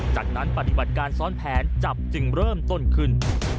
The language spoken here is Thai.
จากนั้นปฏิบัติการซ้อนแผนจับจึงเริ่มต้นขึ้น